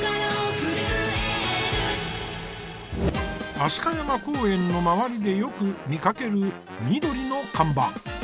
飛鳥山公園の周りでよく見かける緑の看板。